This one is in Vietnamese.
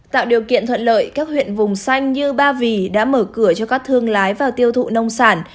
tạo điều kiện thuận lợi các huyện vùng xanh như ba vì đã mở cửa cho các thương lái vào tiêu thụ nông sản